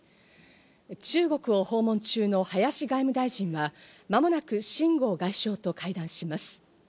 中国を訪問中の林外務大臣は、まもなくシン・ゴウ外相と会談します。